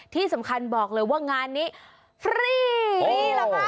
ที่สำคัญบอกเลยว่างานนี้ฟรีนี่แหละค่ะ